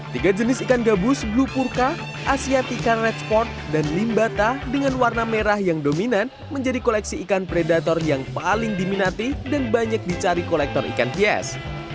tiga jenis ikan gabus blue purka asiatikan red sport dan limbata dengan warna merah yang dominan menjadi koleksi ikan predator yang paling diminati dan banyak dicari kolektor ikan hias